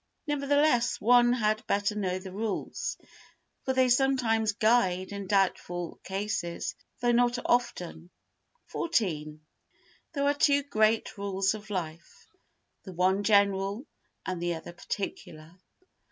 Nevertheless one had better know the rules, for they sometimes guide in doubtful cases—though not often. xiv There are two great rules of life, the one general and the other particular.